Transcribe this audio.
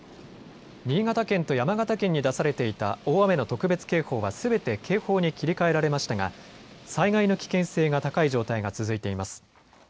新潟県と山形県に出されていた大雨の特別警報はすべて警報に切り替えられましたが災害の危険性が高い状態が続いています。